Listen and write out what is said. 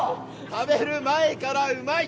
食べる前からうまい！